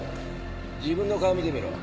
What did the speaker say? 自分の顔見てみろ。